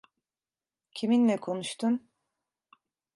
Kiminle konuştun?